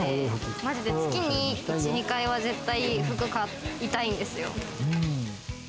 マジで月に１、２回は絶対に服を買いたいんですよ。